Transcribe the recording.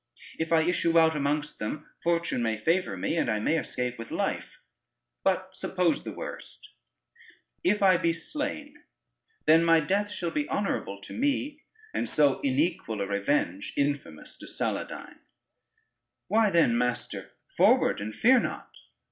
If I issue out amongst them, fortune may favor me, and I may escape with life. But suppose the worst; if I be slain, then my death shall be honorable to me, and so inequal a revenge infamous to Saladyne." "Why then, master, forward and fear not!